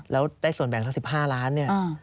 แล้วได้ส่วนแบ่งทั้ง๑๕ล้านเนี่ย